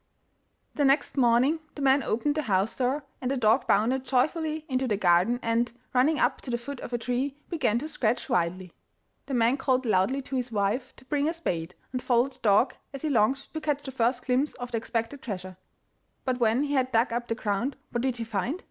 The next morning the man opened the house door, and the dog bounded joyfully into the garden, and, running up to the foot of a tree, began to scratch wildly. The man called loudly to his wife to bring a spade, and followed the dog, as he longed to catch the first glimpse of the expected treasure. But when he had dug up the ground, what did he find?